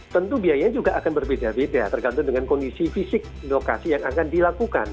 tentu biayanya juga akan berbeda beda tergantung dengan kondisi fisik lokasi yang akan dilakukan